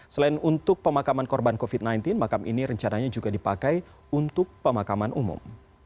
selain untuk pemakaman korban covid sembilan belas makam ini rencananya juga dipakai untuk pemakaman umum